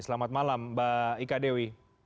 selamat malam mbak ika dewi